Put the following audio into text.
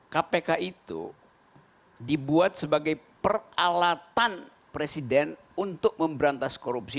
kpk itu dibuat sebagai peralatan presiden untuk memberantas korupsi